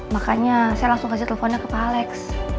makanya saya langsung kasih teleponnya ke pak alex